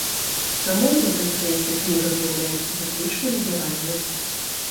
Таму ў гэтым сэнсе кніга з'яўляецца выключна ліберальнай.